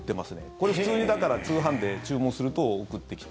これ、普通にだから通販で注文すると送ってきて。